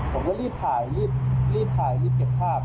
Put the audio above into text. ผมก็รีบถ่ายรีบเก็บภาพ